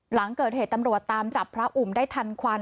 หลังเกิดเหตุตำรวจตามจับพระอุ่มได้ทันควัน